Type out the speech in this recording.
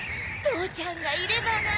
とうちゃんがいればな。